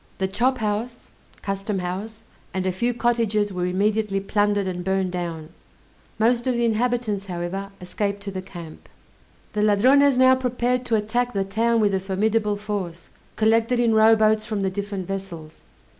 The chop house (custom house) and a few cottages were immediately plundered, and burned down; most of the inhabitants, however, escaped to the camp. The Ladrones now prepared to attack the town with a formidable force, collected in rowboats from the different vessels.